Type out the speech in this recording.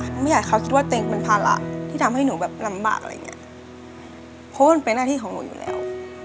หนูไม่อยากเขาทรวจติ๊กเป็นภาระที่ทำให้หนูแบบลำบากอะไรเงี้ยเพราะว่าเป็นหน้าที่ของหนูอยู่แล้ว